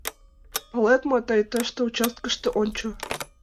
— Палет мо... тый тыште, участкыште, ончо.